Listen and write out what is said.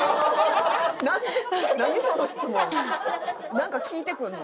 なんか聞いてくんの？